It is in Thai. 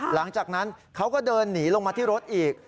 หลังจากนั้นเขาก็เดินหนีลงมาที่รถอีก